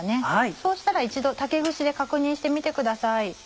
そうしたら一度竹串で確認してみてください。